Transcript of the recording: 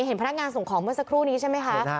เห็นพนักงานส่งของเมื่อสักครู่นี้ใช่ไหมคะ